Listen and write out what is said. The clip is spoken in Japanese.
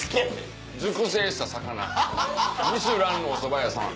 熟成した魚『ミシュラン』のおそば屋さん。